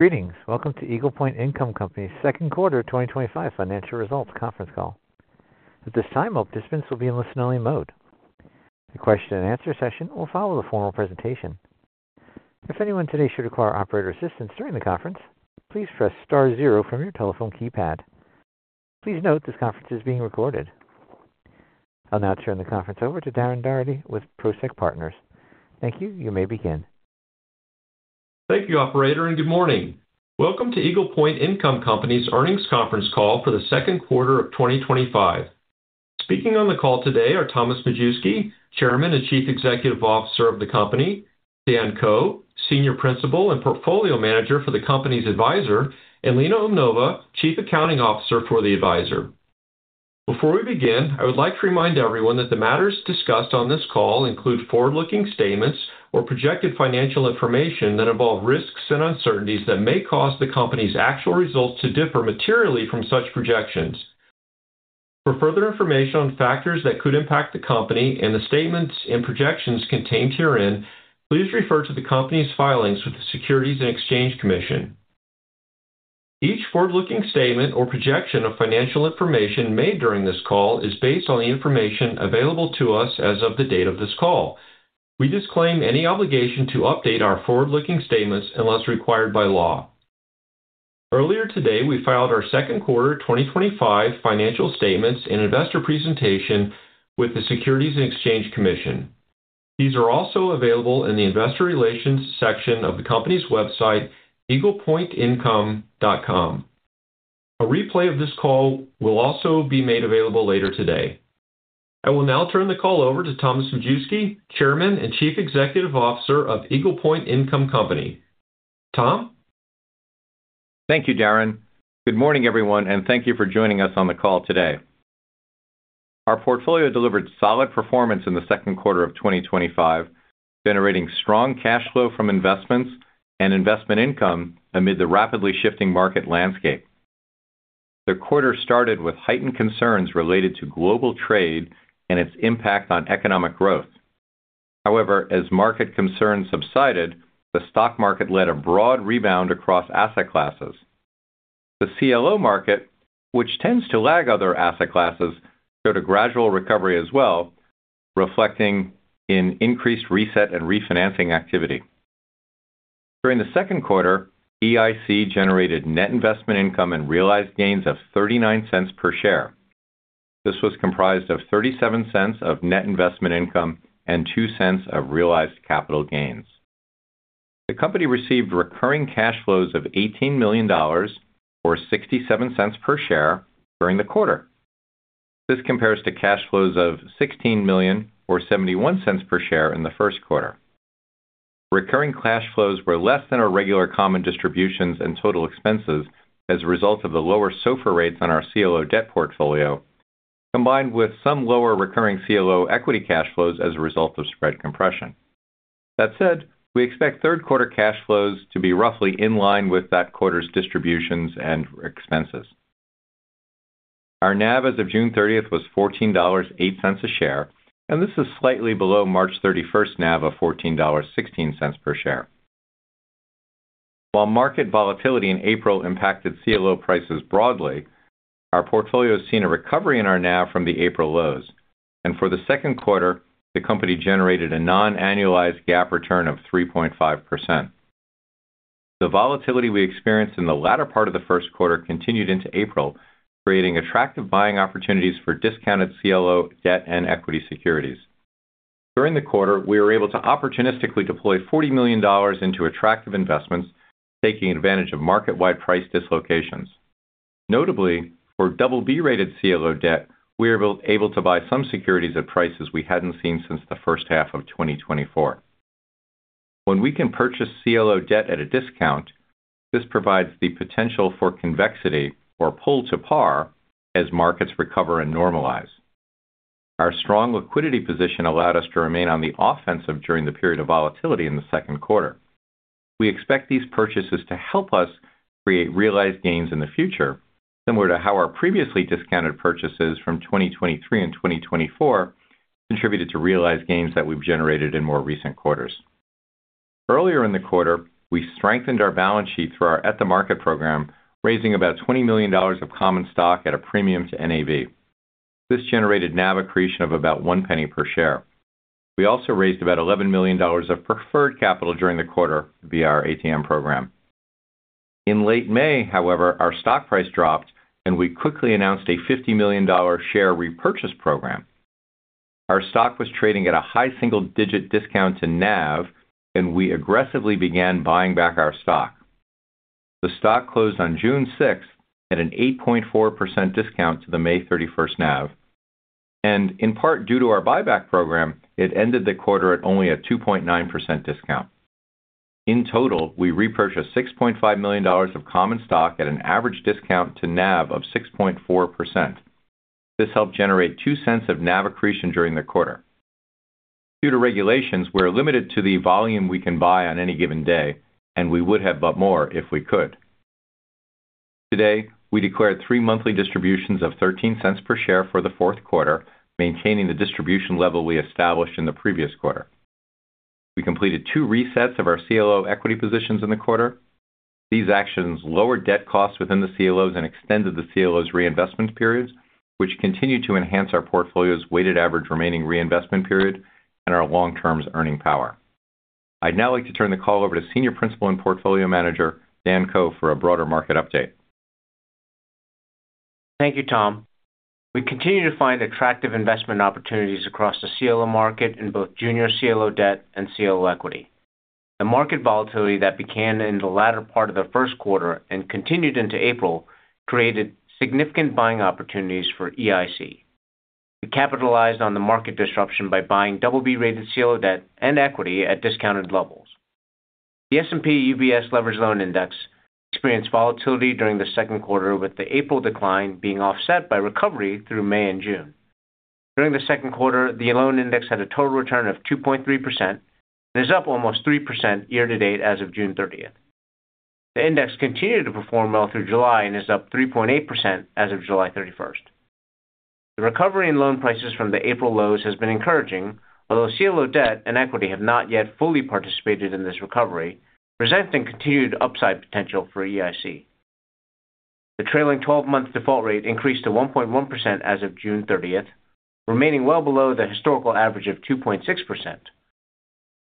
Greetings. Welcome to Eagle Point Income Company's Second Quarter 2025 Financial Results Conference Call. At this time, all participants will be in listen-only mode. The question-and-answer session will follow the formal presentation. If anyone today should require operator assistance during the conference, please press star zero from your telephone keypad. Please note this conference is being recorded. I'll now turn the conference over to Darren Daugherty with Prosek Partners. Thank you. You may begin. Thank you, operator, and good morning. Welcome to Eagle Point Income Company's earnings conference call for the second quarter of 2025. Speaking on the call today are Thomas Majewski, Chairman and Chief Executive Officer of the company, Dan Ko, Senior Principal and Portfolio Manager for the company's advisor, and Lena Umnova, Chief Accounting Officer for the advisor. Before we begin, I would like to remind everyone that the matters discussed on this call include forward-looking statements or projected financial information that involve risks and uncertainties that may cause the company's actual results to differ materially from such projections. For further information on factors that could impact the company and the statements and projections contained herein, please refer to the company's filings with the Securities and Exchange Commission. Each forward-looking statement or projection of financial information made during this call is based on the information available to us as of the date of this call. We disclaim any obligation to update our forward-looking statements unless required by law. Earlier today, we filed our second quarter 2025 financial statements and investor presentation with the Securities and Exchange Commission. These are also available in the investor relations section of the company's website, eaglepointincome.com. A replay of this call will also be made available later today. I will now turn the call over to Thomas Majewski, Chairman and Chief Executive Officer of Eagle Point Income Company. Tom? Thank you, Darren. Good morning, everyone, and thank you for joining us on the call today. Our portfolio delivered solid performance in the second quarter of 2025, generating strong cash flow from investments and investment income amid the rapidly shifting market landscape. The quarter started with heightened concerns related to global trade and its impact on economic growth. However, as market concerns subsided, the stock market led a broad rebound across asset classes. The CLO market, which tends to lag other asset classes, showed a gradual recovery as well, reflecting in increased reset and refinancing activity. During the second quarter, EIC generated net investment income and realized gains of $0.39 per share. This was comprised of $0.37 of net investment income and $0.02 of realized capital gains. The company received recurring cash flows of $18 million, or $0.67 per share, during the quarter. This compares to cash flows of $16 million, or $0.71 per share, in the first quarter. Recurring cash flows were less than our regular common distributions and total expenses as a result of the lower SOFR rates on our CLO debt portfolio, combined with some lower recurring CLO equity cash flows as a result of spread compression. That said, we expect third quarter cash flows to be roughly in line with that quarter's distributions and expenses. Our NAV as of June 30 was $14.08 per share, and this is slightly below March 31 NAV of $14.16 per share. While market volatility in April impacted CLO prices broadly, our portfolio has seen a recovery in our NAV from the April lows, and for the second quarter, the company generated a non-annualized GAAP return of 3.5%. The volatility we experienced in the latter part of the first quarter continued into April, creating attractive buying opportunities for discounted CLO debt and equity securities. During the quarter, we were able to opportunistically deploy $40 million into attractive investments, taking advantage of market-wide price dislocations. Notably, for CLO BB debt, we were able to buy some securities at prices we had not seen since the first half of 2024. When we can purchase CLO debt at a discount, this provides the potential for convexity or pull to par as markets recover and normalize. Our strong liquidity position allowed us to remain on the offensive during the period of volatility in the second quarter. We expect these purchases to help us create realized gains in the future, similar to how our previously discounted purchases from 2023 and 2024 contributed to realized gains that we've generated in more recent quarters. Earlier in the quarter, we strengthened our balance sheet through our at-the-market program, raising about $20 million of common stock at a premium to NAV. This generated NAV accretion of about $0.01 per share. We also raised about $11 million of preferred capital during the quarter via our at-the-market program. In late May, however, our stock price dropped, and we quickly announced a $50 million share repurchase program. Our stock was trading at a high single-digit discount to NAV, and we aggressively began buying back our stock. The stock closed on June 6 at an 8.4% discount to the May 31 NAV, and in part due to our buyback program, it ended the quarter at only a 2.9% discount. In total, we repurchased $6.5 million of common stock at an average discount to NAV of 6.4%. This helped generate $0.02 of NAV accretion during the quarter. Due to regulations, we're limited to the volume we can buy on any given day, and we would have bought more if we could. Today, we declared three monthly distributions of $0.13 per share for the fourth quarter, maintaining the distribution level we established in the previous quarter. We completed two resets of our CLO equity positions in the quarter. These actions lowered debt costs within the CLOs and extended the CLOs' reinvestment periods, which continue to enhance our portfolio's weighted average remaining reinvestment period and our long-term earning power. I'd now like to turn the call over to Senior Principal and Portfolio Manager Dan Ko for a broader market update. Thank you, Tom. We continue to find attractive investment opportunities across the CLO market in both junior CLO debt and CLO equity. The market volatility that began in the latter part of the first quarter and continued into April created significant buying opportunities for EIC. We capitalized on the market disruption by buying CLO BB debt and CLO equity at discounted levels. The S&P/LSTA Leveraged Loan Index experienced volatility during the second quarter, with the April decline being offset by recovery through May and June. During the second quarter, the loan index had a total return of 2.3% and is up almost 3% year to date as of June 30. The index continued to perform well through July and is up 3.8% as of July 31. The recovery in loan prices from the April lows has been encouraging, although CLO debt and equity have not yet fully participated in this recovery, presenting continued upside potential for EIC. The trailing 12-month default rate increased to 1.1% as of June 30, remaining well below the historical average of 2.6%.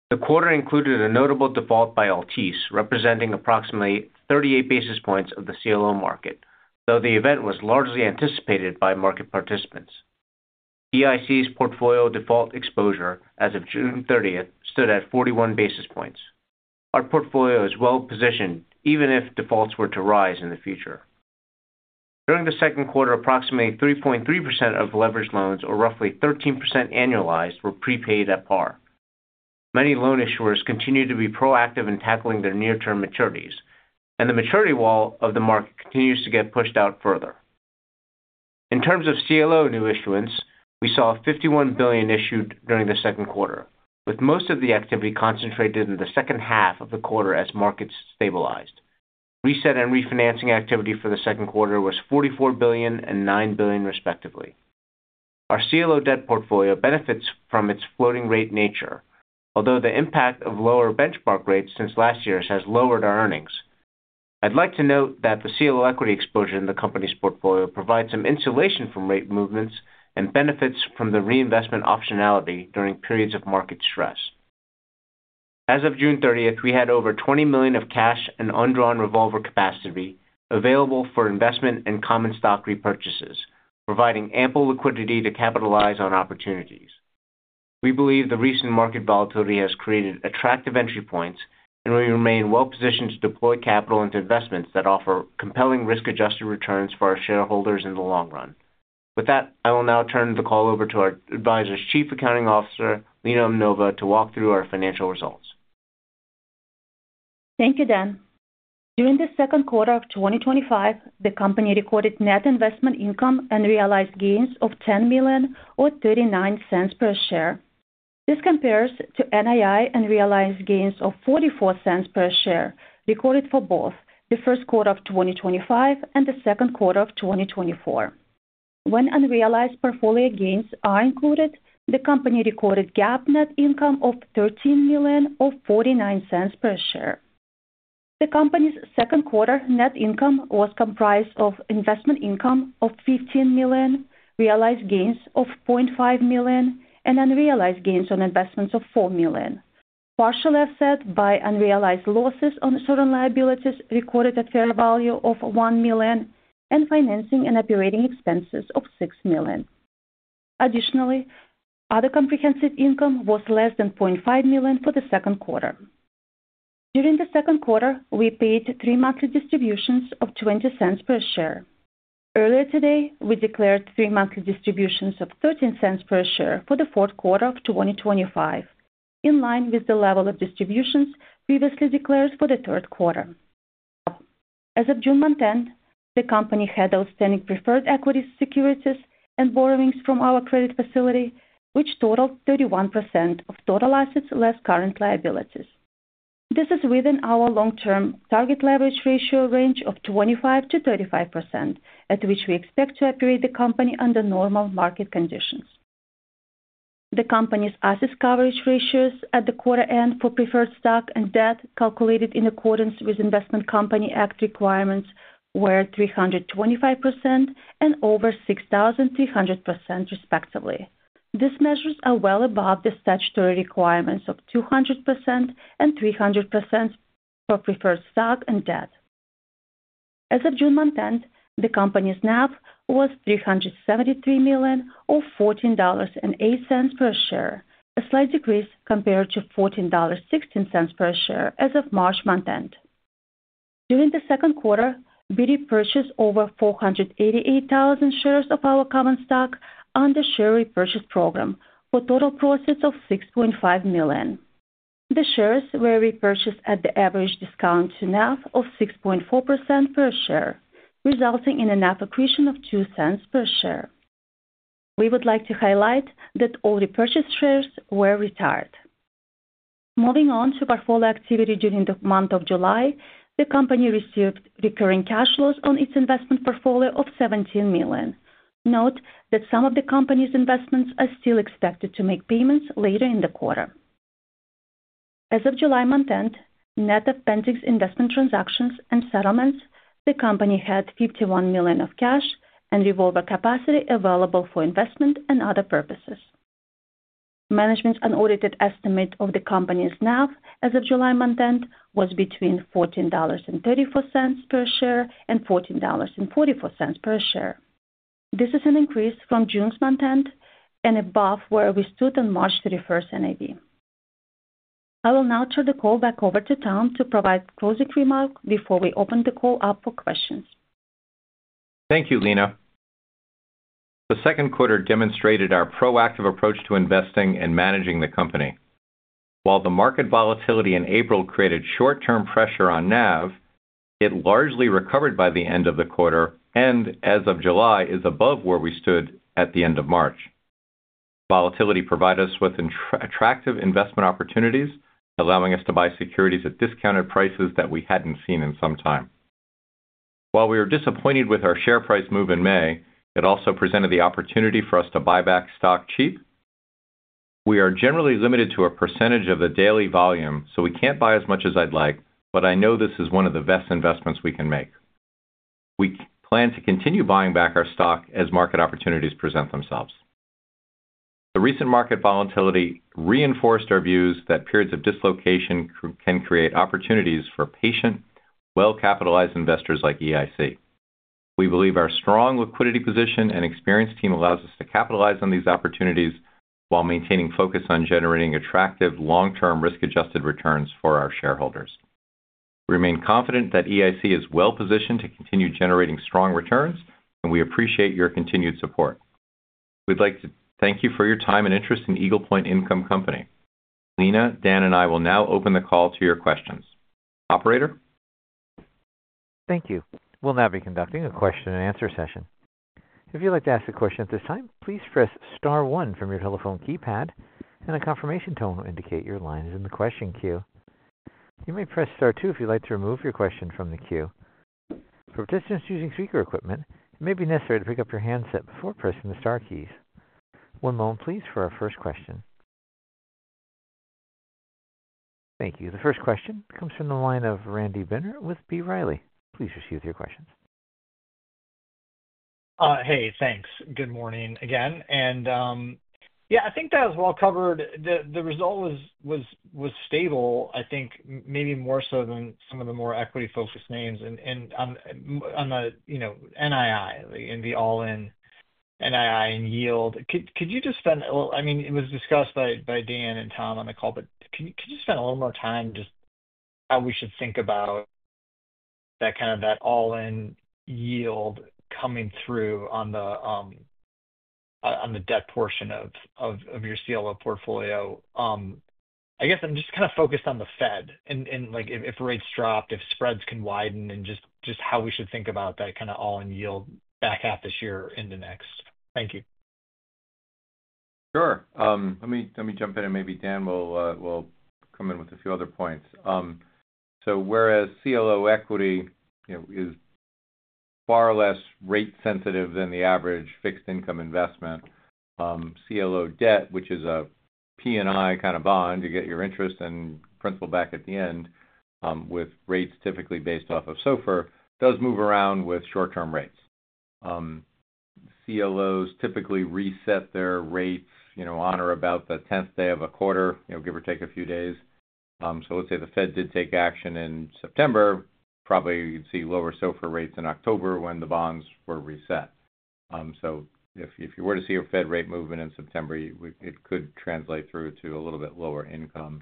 The quarter included a notable default by Altice, representing approximately 38 basis points of the CLO market, though the event was largely anticipated by market participants. EIC's portfolio default exposure as of June 30 stood at 41 basis points. Our portfolio is well positioned, even if defaults were to rise in the future. During the second quarter, approximately 3.3% of leveraged loans, or roughly 13% annualized, were prepaid at par. Many loan issuers continue to be proactive in tackling their near-term maturities, and the maturity wall of the market continues to get pushed out further. In terms of CLO new issuance, we saw $51 billion issued during the second quarter, with most of the activity concentrated in the second half of the quarter as markets stabilized. Reset and refinancing activity for the second quarter was $44 billion and $9 billion, respectively. Our CLO debt portfolio benefits from its floating rate nature, although the impact of lower benchmark rates since last year has lowered our earnings. I'd like to note that the CLO equity exposure in the company's portfolio provides some insulation from rate movements and benefits from the reinvestment optionality during periods of market stress. As of June 30, we had over $20 million of cash and undrawn revolver capacity available for investment and common stock repurchases, providing ample liquidity to capitalize on opportunities. We believe the recent market volatility has created attractive entry points, and we remain well positioned to deploy capital into investments that offer compelling risk-adjusted returns for our shareholders in the long run. With that, I will now turn the call over to our Advisor's Chief Accounting Officer, Lena Umnova, to walk through our financial results. Thank you, Dan. During the second quarter of 2025, the company recorded net investment income and realized gains of $10 million, or $0.39 per share. This compares to NII unrealized gains of $0.44 per share recorded for both the first quarter of 2025 and the second quarter of 2024. When unrealized portfolio gains are included, the company recorded GAAP net income of $13 million, or $0.49 per share. The company's second quarter net income was comprised of investment income of $15 million, realized gains of $0.5 million, and unrealized gains on investments of $4 million. Partially offset by unrealized losses on certain liabilities recorded at a fair value of $1 million and financing and operating expenses of $6 million. Additionally, other comprehensive income was less than $0.5 million for the second quarter. During the second quarter, we paid three monthly distributions of $0.20 per share. Earlier today, we declared three monthly distributions of $0.13 per share for the fourth quarter of 2025, in line with the level of distributions previously declared for the third quarter. As of June month end, the company had outstanding preferred equity securities and borrowings from our credit facility, which totaled 31% of total assets less current liabilities. This is within our long-term target leverage ratio range of 25%-35%, at which we expect to operate the company under normal market conditions. The company's asset coverage ratios at the quarter end for preferred stock and debt, calculated in accordance with Investment Company Act requirements, were 325% and over 6,300%, respectively. These measures are well above the statutory requirements of 200% and 300% for preferred stock and debt. As of June month end, the company's NAV was $373 million, or $14.08 per share, a slight decrease compared to $14.16 per share as of March month end. During the second quarter, we repurchased over 488,000 shares of our common stock under the share repurchase program for a total cost of $6.5 million. The shares were repurchased at an average discount to NAV of 6.4% per share, resulting in a NAV accretion of $0.02 per share. We would like to highlight that all repurchased shares were retired. Moving on to portfolio activity during the month of July, the company received recurring cash flows on its investment portfolio of $17 million. Note that some of the company's investments are still expected to make payments later in the quarter. As of July month end, net of pending investment transactions and settlements, the company had $51 million of cash and revolver capacity available for investment and other purposes. Management's unaudited estimate of the company's NAV as of July month end was between $14.34 per share and $14.44 per share. This is an increase from June's month end and above where we stood on March 31 NAV. I will now turn the call back over to Tom to provide closing remarks before we open the call up for questions. Thank you, Lena. The second quarter demonstrated our proactive approach to investing and managing the company. While the market volatility in April created short-term pressure on NAV, it largely recovered by the end of the quarter and, as of July, is above where we stood at the end of March. Volatility provided us with attractive investment opportunities, allowing us to buy securities at discounted prices that we hadn't seen in some time. While we were disappointed with our share price move in May, it also presented the opportunity for us to buy back stock cheap. We are generally limited to a percentage of the daily volume, so we can't buy as much as I'd like, but I know this is one of the best investments we can make. We plan to continue buying back our stock as market opportunities present themselves. The recent market volatility reinforced our views that periods of dislocation can create opportunities for patient, well-capitalized investors like EIC. We believe our strong liquidity position and experienced team allow us to capitalize on these opportunities while maintaining focus on generating attractive, long-term risk-adjusted returns for our shareholders. We remain confident that EIC is well positioned to continue generating strong returns, and we appreciate your continued support. We'd like to thank you for your time and interest in Eagle Point Income Company. Lena, Dan, and I will now open the call to your questions. Operator? Thank you. We'll now be conducting a question and answer session. If you'd like to ask a question at this time, please press star one from your telephone keypad, and a confirmation tone will indicate your line is in the question queue. You may press star two if you'd like to remove your question from the queue. For participants using speaker equipment, it may be necessary to pick up your handset before pressing the star keys. One moment, please, for our first question. Thank you. The first question comes from the line of Randy Binner with B. Riley. Please proceed with your questions. Hey, thanks. Good morning again. I think that was well covered. The result was stable, I think, maybe more so than some of the more equity-focused names. On the, you know, NII, in the all-in NII and yield, could you just spend a little, I mean, it was discussed by Dan and Tom on the call, but can you, could you spend a little more time just how we should think about that kind of that all-in yield coming through on the debt portion of your CLO portfolio? I guess I'm just kind of focused on the Fed and like if rates dropped, if spreads can widen and just how we should think about that kind of all-in yield back half this year into next. Thank you. Sure. Let me jump in and maybe Dan will come in with a few other points. Whereas CLO equity is far less rate sensitive than the average fixed income investment, CLO debt, which is a P&I kind of bond, you get your interest and principal back at the end, with rates typically based off of SOFR, does move around with short-term rates. CLOs typically reset their rates on or about the 10th day of a quarter, give or take a few days. Let's say the Fed did take action in September, probably you'd see lower SOFR rates in October when the bonds were reset. If you were to see a Fed rate movement in September, it could translate through to a little bit lower income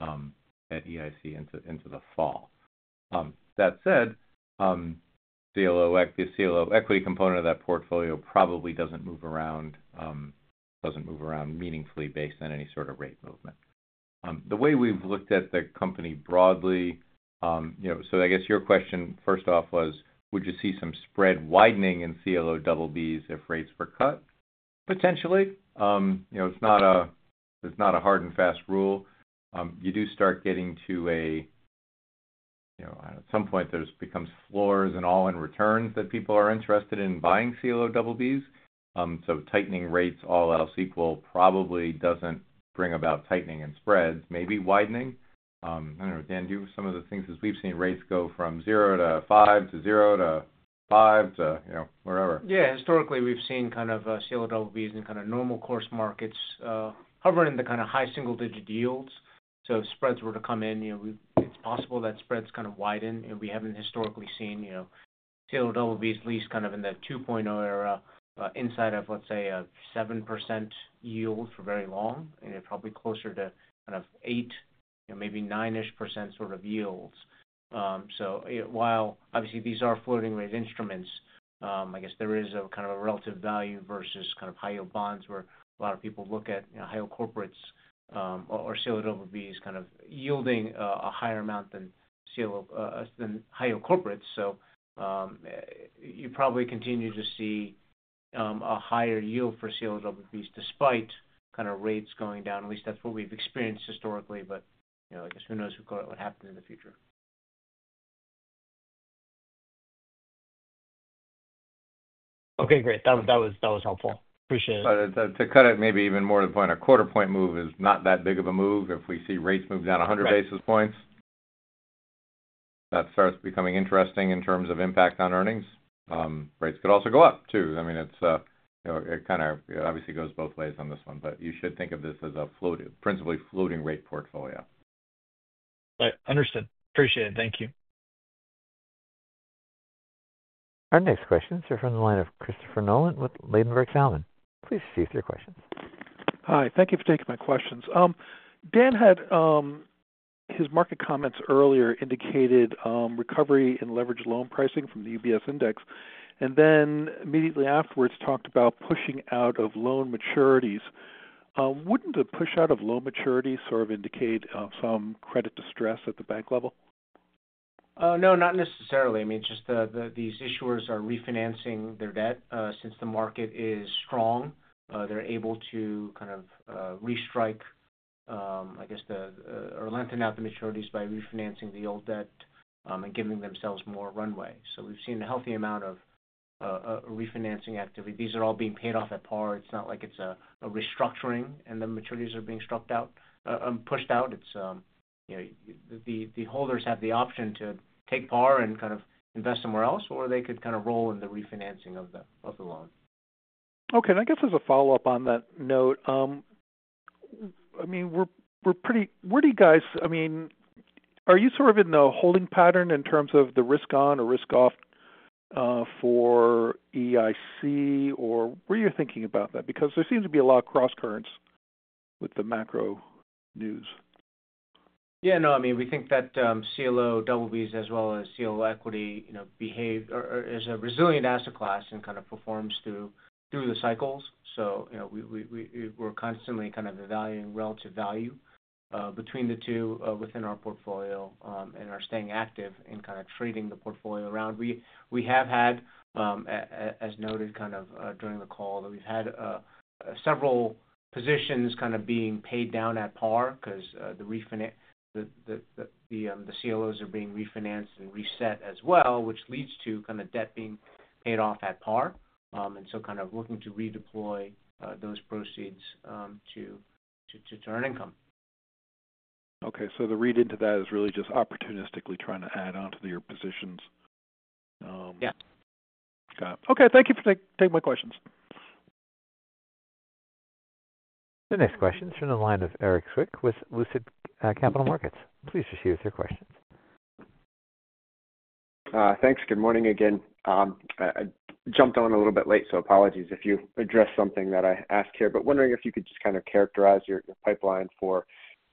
at EIC into the fall. That said, the CLO equity component of that portfolio probably doesn't move around, doesn't move around meaningfully based on any sort of rate movement. The way we've looked at the company broadly, I guess your question first off was, would you see some spread widening in CLO BBs if rates were cut? Potentially. It's not a hard and fast rule. You do start getting to a point where there become floors and all-in returns that people are interested in buying CLO BBs. Tightening rates all else equal probably doesn't bring about tightening in spreads, maybe widening. I don't know, Dan, do you have some of the things as we've seen rates go from zero to five to zero to five to wherever? Yeah, historically we've seen CLO BB debt in normal course markets, hovering in the high single-digit yields. If spreads were to come in, it's possible that spreads widen and we haven't historically seen CLO BB debt, at least in the 2.0 era, inside of let's say a 7% yield for very long. It's probably closer to 8%, maybe 9%-ish yields. While obviously these are floating rate instruments, there is a relative value versus high-yield bonds where a lot of people look at high-yield corporates or CLO BB debt yielding a higher amount than high-yield corporates. You probably continue to see a higher yield for CLO BB debt despite rates going down. At least that's what we've experienced historically, but who knows what happens in the future. Okay, great. That was helpful. Appreciate it. To cut it maybe even more to the point, a quarter point move is not that big of a move. If we see rates move down 100 basis points, that starts becoming interesting in terms of impact on earnings. Rates could also go up too. I mean, it kind of obviously goes both ways on this one, but you should think of this as a principally floating rate portfolio. Understood. Appreciate it. Thank you. Our next question is from the line of Christopher Nolan with Ladenburg Thalmann. Please proceed with your questions. Hi, thank you for taking my questions. Dan had, his market comments earlier indicated, recovery in leveraged loan pricing from the S&P/LSTA Leveraged Loan Index, and then immediately afterwards talked about pushing out of loan maturities. Wouldn't the push-out of loan maturities sort of indicate some credit distress at the bank level? No, not necessarily. I mean, these issuers are refinancing their debt, since the market is strong. They're able to kind of restrike, I guess, or lengthen out the maturities by refinancing the old debt and giving themselves more runway. We've seen a healthy amount of refinancing activity. These are all being paid off at par. It's not like it's a restructuring and the maturities are being struck out, pushed out. The holders have the option to take par and kind of invest somewhere else, or they could kind of roll in the refinancing of the loan. Okay, I guess as a follow-up on that note, I mean, where do you guys, I mean, are you sort of in the holding pattern in terms of the risk on or risk off for EIC or what are you thinking about that? There seems to be a lot of cross-currents with the macro news. Yeah, no, I mean, we think that CLO BBs as well as CLO equity, you know, behave, or is a resilient asset class and kind of performs through the cycles. You know, we are constantly kind of evaluating relative value between the two within our portfolio and are staying active in trading the portfolio around. We have had, as noted during the call, that we've had several positions being paid down at par because the refinance, the CLOs are being refinanced and reset as well, which leads to debt being paid off at par. We are kind of looking to redeploy those proceeds to earn income. Okay, the read into that is really just opportunistically trying to add onto your positions. Yeah. Got it. Okay, thank you for taking my questions. The next question is from the line of Eric Swick with Lucid Capital Markets. Please proceed with your questions. Thanks. Good morning again. I jumped on a little bit late, so apologies if you addressed something that I asked here, but wondering if you could just kind of characterize your pipeline for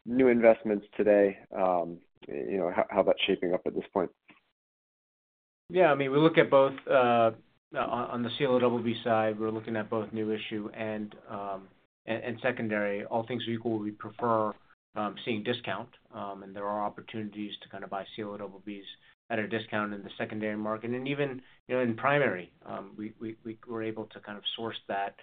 new investments today, you know, how that's shaping up at this point. Yeah, I mean, we look at both. On the CLO BB side, we're looking at both new issue and secondary. All things are equal, we prefer seeing discount, and there are opportunities to kind of buy CLO BBs at a discount in the secondary market. Even in primary, we were able to kind of source that,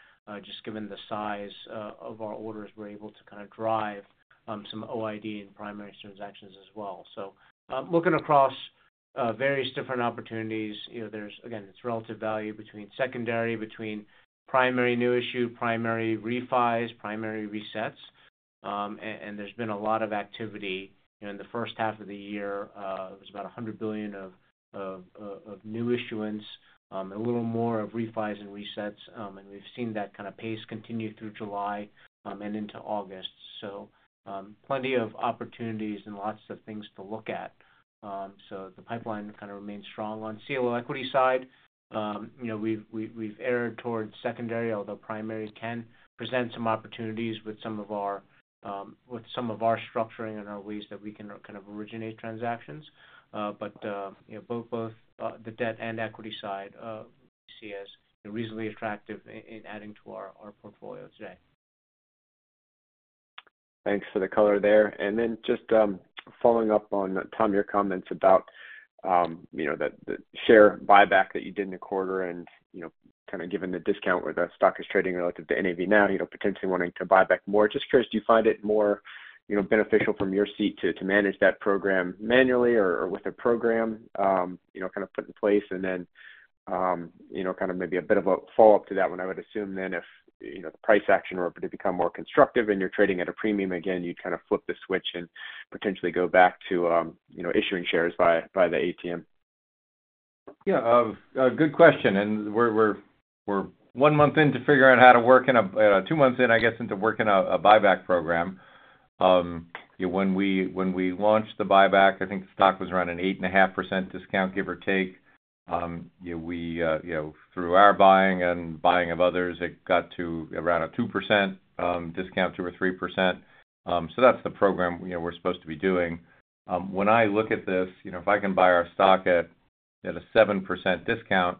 just given the size of our orders, we're able to kind of drive some OID in primary transactions as well. Looking across various different opportunities, it's relative value between secondary, between primary new issue, primary refis, primary resets. There's been a lot of activity in the first half of the year. It was about $100 billion of new issuance, and a little more of refis and resets. We've seen that kind of pace continue through July and into August. Plenty of opportunities and lots of things to look at. The pipeline kind of remains strong. On CLO equity side, we've erred towards secondary, although primary can present some opportunities with some of our structuring and our ways that we can kind of originate transactions. Both the debt and equity side, we see as reasonably attractive in adding to our portfolio today. Thanks for the color there. Just following up on Tom, your comments about the share buyback that you did in the quarter and, given the discount where the stock is trading relative to NAV now, potentially wanting to buy back more. Just curious, do you find it more beneficial from your seat to manage that program manually or with a program put in place? Maybe a bit of a follow-up to that, I would assume then if the price action were to become more constructive and you're trading at a premium again, you'd kind of flip the switch and potentially go back to issuing shares by the at-the-market program. Yeah, good question. We're one month in to figure out how to work in a, two months in, I guess, into working a buyback program. You know, when we launched the buyback, I think the stock was around an 8.5% discount, give or take. You know, through our buying and buying of others, it got to around a 2% discount, 2% or 3%. That's the program we're supposed to be doing. When I look at this, if I can buy our stock at a 7% discount,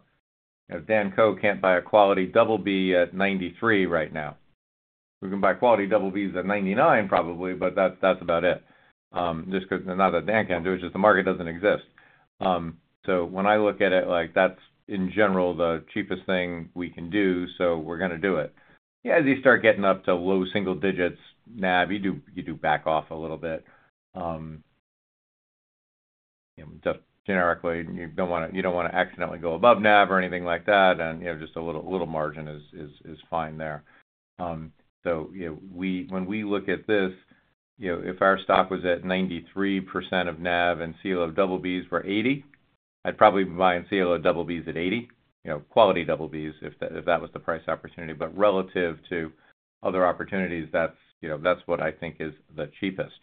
Dan can't buy a quality BB at 93 right now. We can buy quality BBs at 99 probably, but that's about it. Just because none of that Dan can do, it's just the market doesn't exist. When I look at it, that's in general the cheapest thing we can do, so we're going to do it. As you start getting up to low single digits, NAV, you do back off a little bit. Generically, you don't want to accidentally go above NAV or anything like that. A little margin is fine there. When we look at this, if our stock was at 93% of NAV and CLO BBs were 80, I'd probably be buying CLO BBs at 80, quality BBs if that was the price opportunity. Relative to other opportunities, that's what I think is the cheapest.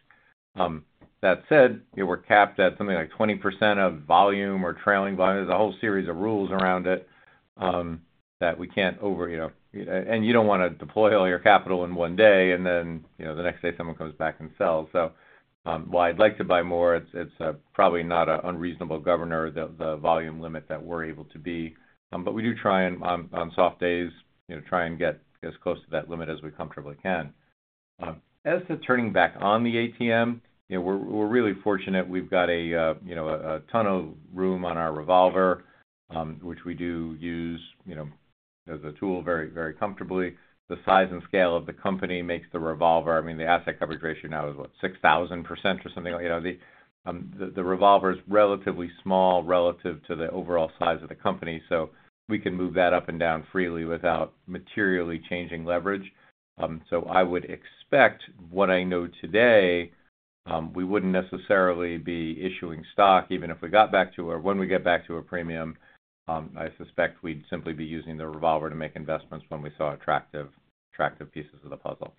That said, we're capped at something like 20% of volume or trailing volume. There's a whole series of rules around it, that we can't over, and you don't want to deploy all your capital in one day and then the next day someone comes back and sells. While I'd like to buy more, it's probably not an unreasonable governor that the volume limit that we're able to be. We do try and, on soft days, try and get as close to that limit as we comfortably can. As to turning back on the at-the-market program, we're really fortunate. We've got a ton of room on our revolver, which we do use as a tool very, very comfortably. The size and scale of the company makes the revolver, I mean, the asset coverage ratio now is what, 6,000% or something like, the revolver is relatively small relative to the overall size of the company. We can move that up and down freely without materially changing leverage. I would expect, what I know today, we wouldn't necessarily be issuing stock even if we got back to, or when we get back to a premium. I suspect we'd simply be using the revolver to make investments when we saw attractive, attractive pieces of the puzzle.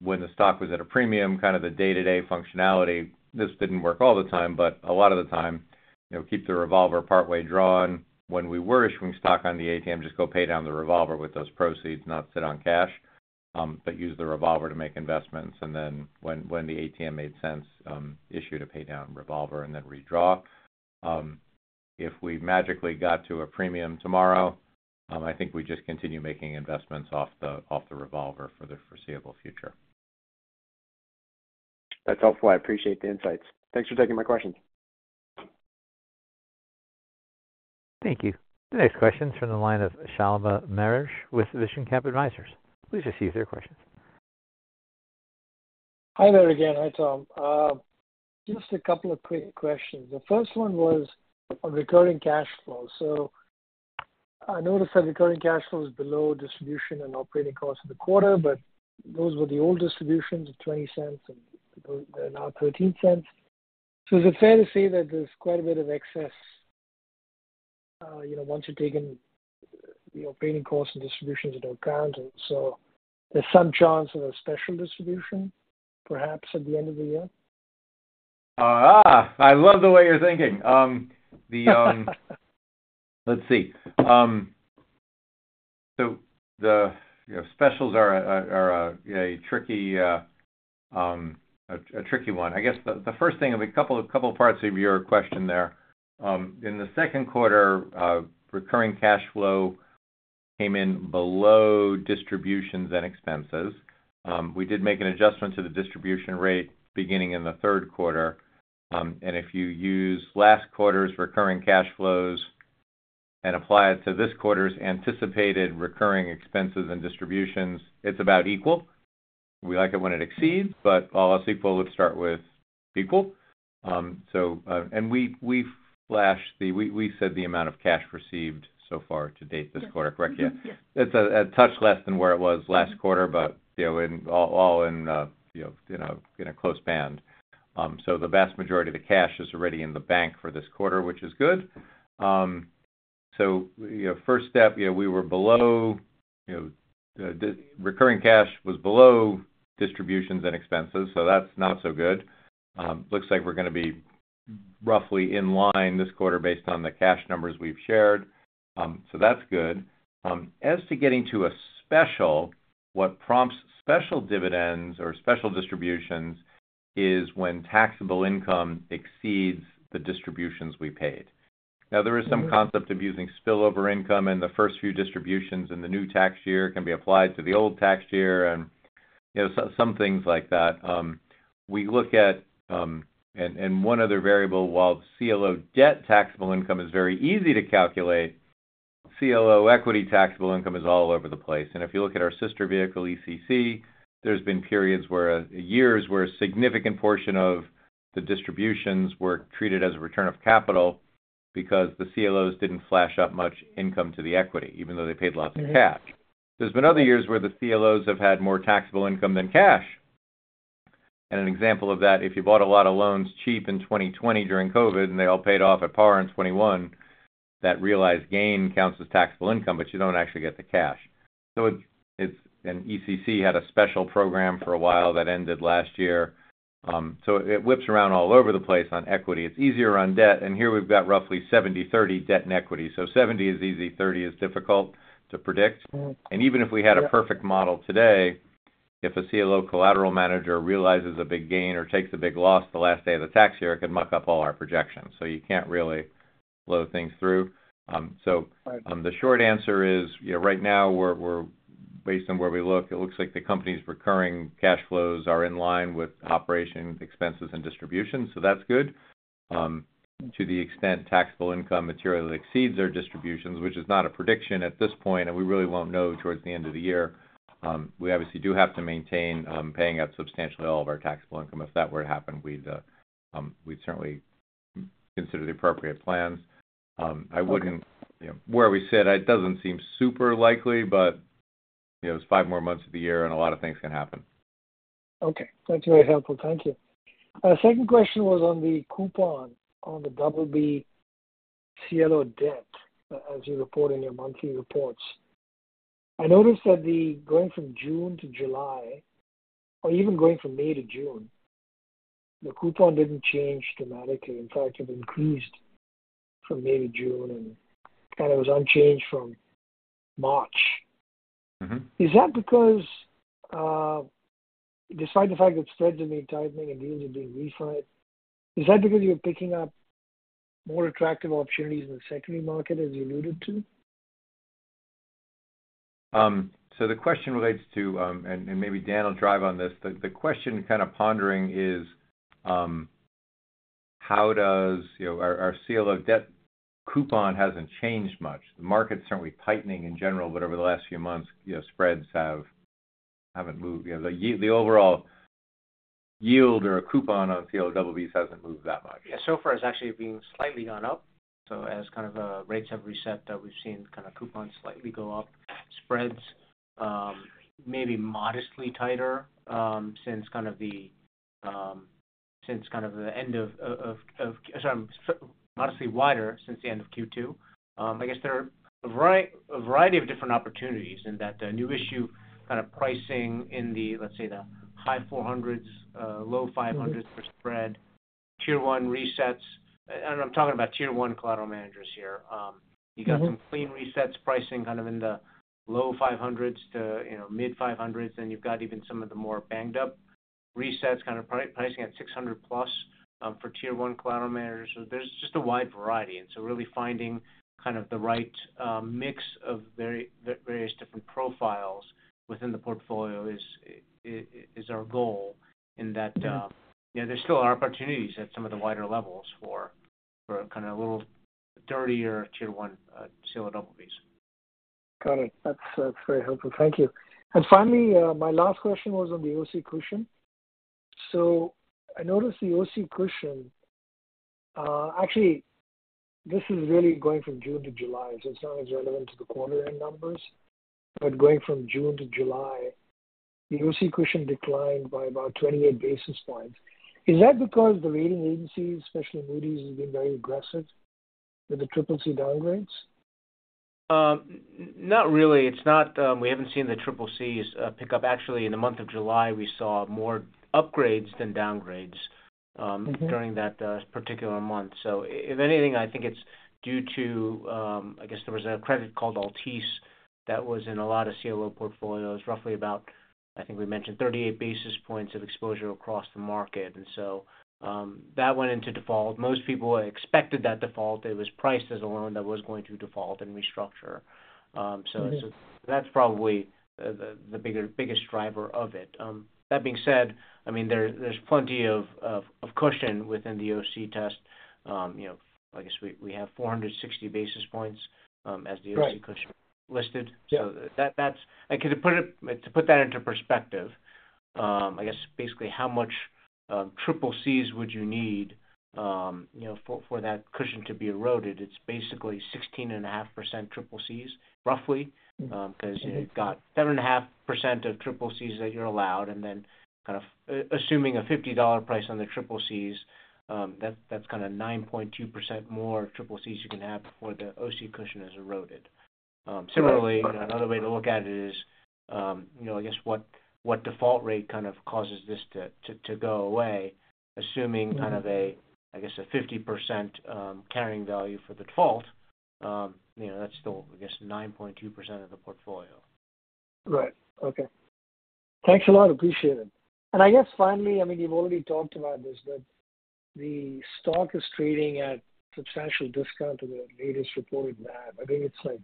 When the stock was at a premium, kind of the day-to-day functionality, this didn't work all the time, but a lot of the time, you know, keep the revolver partway drawn. When we were issuing stock on the at-the-market program, just go pay down the revolver with those proceeds, not sit on cash, but use the revolver to make investments. When the at-the-market program made sense, issue to pay down revolver and then redraw. If we magically got to a premium tomorrow, I think we just continue making investments off the revolver for the foreseeable future. That's helpful. I appreciate the insights. Thanks for taking my questions. Thank you. The next question is from the line of Shalabah Mehrish with VinsonCap Advisors. Please receive their questions. Hi there again. Hi Tom. Just a couple of quick questions. The first one was on recurring cash flow. I noticed that recurring cash flow is below distribution and operating costs of the quarter, but those were the old distributions of $0.20 and they're now $0.13. Is it fair to say that there's quite a bit of excess once you've taken the operating costs and distributions into account? There's some chance of a special distribution perhaps at the end of the year? I love the way you're thinking. Let's see. Specials are a tricky one. I guess the first thing, a couple of parts of your question there. In the second quarter, recurring cash flow came in below distributions and expenses. We did make an adjustment to the distribution rate beginning in the third quarter. If you use last quarter's recurring cash flows and apply it to this quarter's anticipated recurring expenses and distributions, it's about equal. We like it when it exceeds, but all else equal, let's start with equal. We flashed the, we said the amount of cash received so far to date this quarter, correct? Yeah. It's a touch less than where it was last quarter, but in all, in a close band. The vast majority of the cash is already in the bank for this quarter, which is good. First step, we were below, recurring cash was below distributions and expenses. That's not so good. Looks like we're going to be roughly in line this quarter based on the cash numbers we've shared. That's good. As to getting to a special, what prompts special dividends or special distributions is when taxable income exceeds the distributions we paid. There is some concept of using spillover income, and the first few distributions in the new tax year can be applied to the old tax year and some things like that. We look at, and one other variable, while CLO debt taxable income is very easy to calculate, CLO equity taxable income is all over the place. If you look at our sister vehicle, ECC, there have been periods where years where a significant portion of the distributions were treated as a return of capital because the CLOs didn't flash up much income to the equity, even though they paid lots of cash. There have been other years where the CLOs have had more taxable income than cash. An example of that, if you bought a lot of loans cheap in 2020 during COVID and they all paid off at par in 2021, that realized gain counts as taxable income, but you don't actually get the cash. ECC had a special program for a while that ended last year. It whips around all over the place on equity. It's easier on debt. Here we've got roughly 70/30 debt and equity. So 70 is easy, 30 is difficult to predict. Even if we had a perfect model today, if a CLO collateral manager realizes a big gain or takes a big loss the last day of the tax year, it could muck up all our projections. You can't really flow things through. The short answer is, right now, based on where we look, it looks like the company's recurring cash flows are in line with operation expenses and distributions. That's good. To the extent taxable income materially exceeds our distributions, which is not a prediction at this point, and we really won't know towards the end of the year, we obviously do have to maintain paying out substantially all of our taxable income. If that were to happen, we'd certainly consider the appropriate plans. Where we sit, it doesn't seem super likely, but there are five more months of the year and a lot of things can happen. Okay. That's really helpful. Thank you. Our second question was on the coupon on the CLO BB debt as you report in your monthly reports. I noticed that going from June to July, or even going from May to June, the coupon didn't change dramatically. In fact, it increased from maybe June and kind of was unchanged from March. Is that because, despite the fact that spreads have been tightening and deals are being refined, is that because you're picking up more attractive opportunities in the secondary market, as you alluded to? The question relates to, and maybe Dan will drive on this. The question kind of pondering is, how does, you know, our CLO debt coupon hasn't changed much. The market's certainly tightening in general, but over the last few months, you know, spreads haven't moved. The overall yield or coupon on CLO BBs hasn't moved that much. Yeah, so far it's actually been slightly gone up. As rates have reset, we've seen coupons slightly go up. Spreads, maybe modestly wider since the end of Q2. I guess there are a variety of different opportunities in that the new issue pricing in the, let's say, the high 400s, low 500s for spread. Tier one resets, and I'm talking about tier one collateral managers here, you've got some clean resets pricing in the low 500s to mid 500s, and you've got even some of the more banged up resets pricing at 600+ for tier one collateral managers. There's just a wide variety. Really finding the right mix of various different profiles within the portfolio is our goal in that there still are opportunities at some of the wider levels for a little dirtier tier one CLO BBs. Got it. That's very helpful. Thank you. Finally, my last question was on the OC cushion. I noticed the OC cushion, actually, this is really going from June to July, so it's not as relevant to the quarterly numbers, but going from June to July, the OC cushion declined by about 28 basis points. Is that because the rating agency, especially Moody's, has been very aggressive with the triple C downgrades? Not really. It's not, we haven't seen the triple Cs pick up. Actually, in the month of July, we saw more upgrades than downgrades during that particular month. If anything, I think it's due to, I guess there was a credit called Altice that was in a lot of CLO portfolios, roughly about, I think we mentioned 38 basis points of exposure across the market. That went into default. Most people expected that default. It was priced as a loan that was going to default and restructure. That's probably the biggest driver of it. That being said, there's plenty of cushion within the OC test. I guess we have 460 basis points as the OC cushion listed. To put that into perspective, basically how much triple Cs would you need for that cushion to be eroded? It's basically 16.5% triple Cs, roughly, because you've got 7.5% of triple Cs that you're allowed. Then kind of assuming a $50 price on the triple Cs, that's kind of 9.2% more triple Cs you can have before the OC cushion is eroded. Similarly, another way to look at it is what default rate kind of causes this to go away, assuming kind of a 50% carrying value for the default. That's still, I guess, 9.2% of the portfolio. Right. Okay. Thanks a lot. Appreciate it. I guess finally, I mean, you've already talked about this, but the stock is trading at a substantial discount to the latest reported NAV. I think it's like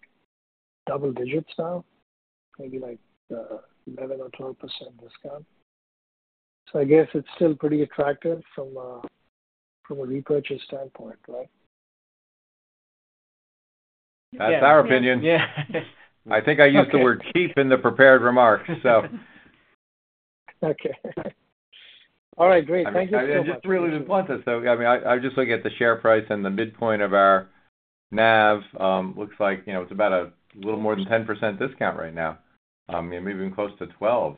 double digits now, maybe like 11% or 12% discount. I guess it's still pretty attractive from a repurchase standpoint, right? That's our opinion. I think I used the word cheap in the prepared remarks. Okay. All right. Great. Thank you. I just wanted to say, I was looking at the share price and the midpoint of our NAV. It looks like it's about a little more than 10% discount right now, maybe even close to 12%.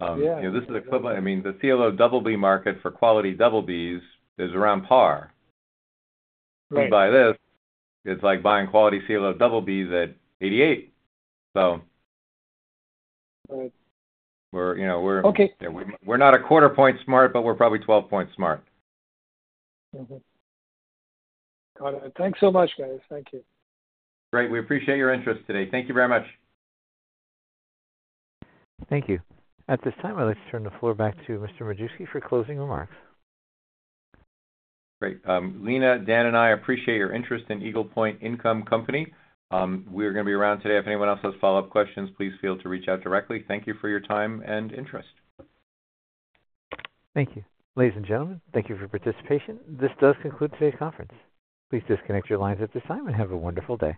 This is equivalent. The CLO BB market for quality BBs is around par. You buy this, it's like buying quality CLO BBs at 88. We're not a quarter point smart, but we're probably 12 points smart. Got it. Thanks so much, guys. Thank you. Great. We appreciate your interest today. Thank you very much. Thank you. At this time, I'd like to turn the floor back to Mr. Majewski for closing remarks. Great. Lena, Dan, and I appreciate your interest in Eagle Point Income Company. We are going to be around today. If anyone else has follow-up questions, please feel free to reach out directly. Thank you for your time and interest. Thank you. Ladies and gentlemen, thank you for your participation. This does conclude today's conference. Please disconnect your lines at this time and have a wonderful day.